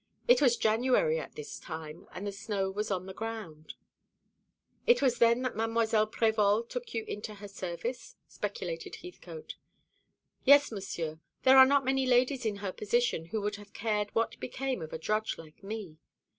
It was January at this time, and the snow was on the ground." "It was then that Mademoiselle Prévol took you into her service?" speculated Heathcote. "Yes, Monsieur. There are not many ladies in her position who would have cared what became of a drudge like me.